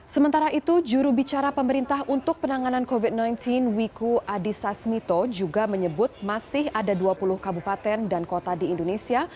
sementara itu jurubicara pemerintah untuk penanganan covid sembilan belas wiku adhisa smito juga menyebut masih ada dua puluh kabupaten dan kota di indonesia